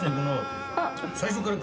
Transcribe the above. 最初から。